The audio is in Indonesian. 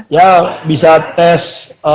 ya bisa tes